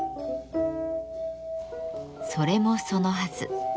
それもそのはず。